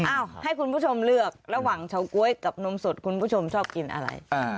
ให้คุณผู้ชมเลือกระหว่างเฉาก๊วยกับนมสดคุณผู้ชมชอบกินอะไร